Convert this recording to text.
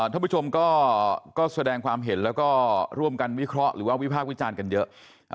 ท่านผู้ชมก็แสดงความเห็นแล้วก็ร่วมกันวิเคราะห์หรือว่าวิพากษ์วิจารณ์กันเยอะ